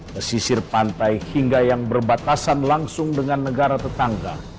pesisir pantai hingga yang berbatasan langsung dengan negara tetangga